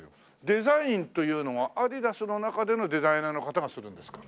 デザインというのはアディダスの中でのデザイナーの方がするんですか？